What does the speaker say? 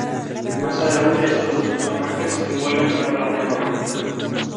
Más adelante estos dos personajes se envuelven en una relación romántica.